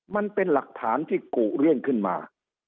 มันเป็นหลักฐานที่กุเรื่องขึ้นมา